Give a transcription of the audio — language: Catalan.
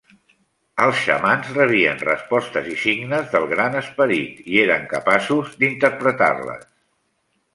Els xamans rebien respostes i signes del Gran Esperit i eren capaços d'interpretar-les.